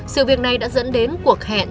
sự việc này đã dẫn đến cuộc hẹn